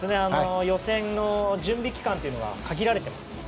予選の準備期間というのが限られています。